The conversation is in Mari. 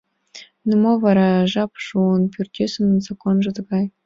— Ну мо вара, жап шуын, пӱртӱсын законжо тыгай